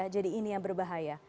jadi ini yang berbahaya